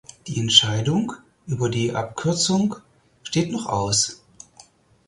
Die Entscheidung über die Abkürzung steht noch aus.